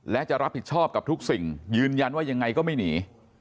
และจะรับผิดชอบกับทุกสิ่งยืนยันว่ายังไงก็ไม่หนี